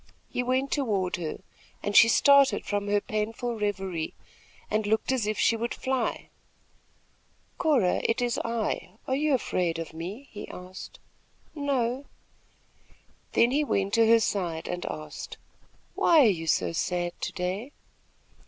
He went toward her, and she started from her painful reverie and looked as if she would fly. "Cora, it is I, are you afraid of me?" he asked. "No." Then he went to her side and asked: "Why are you so sad to day?"